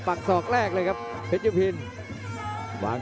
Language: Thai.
ศอกแรกเลยครับเพชรยุพิน